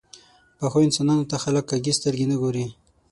پخو انسانانو ته خلک کږې سترګې نه ګوري